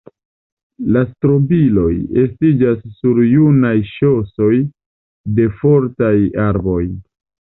La strobiloj estiĝas sur junaj ŝosoj de fortaj arboj.